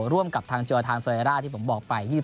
ร่วมกับทางเจ้าอาทานเฟรราที่ผมบอกไป